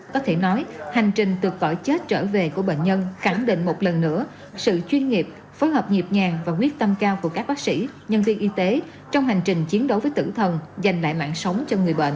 có thể nói hành trình từ cõi chết trở về của bệnh nhân khẳng định một lần nữa sự chuyên nghiệp phối hợp nhịp nhàng và quyết tâm cao của các bác sĩ nhân viên y tế trong hành trình chiến đấu với tử thần dành lại mạng sống cho người bệnh